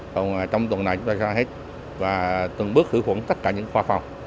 còn trong tuần này chúng ta ra hết và từng bước khử khuẩn tất cả những khoa phòng